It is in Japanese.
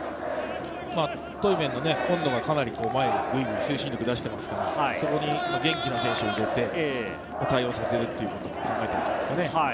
対面の今野がかなり前に推進力を出していますから、そこに元気な選手を入れて対応させるという考えじゃないですか。